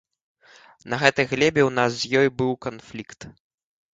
На гэтай глебе ў нас з ёй быў канфлікт.